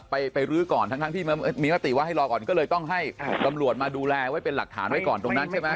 ไปรื้อก่อนทั้งที่มีมติว่าให้รอก่อนก็เลยต้องให้ตำรวจมาดูแลไว้เป็นหลักฐานไว้ก่อนตรงนั้นใช่ไหม